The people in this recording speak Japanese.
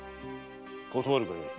断るがよい。